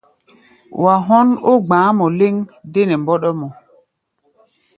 Wa hɔ́n ó gba̧á̧ mɔ lɛ́ŋ dé nɛ mbɔ́ɗɔ́mɔ.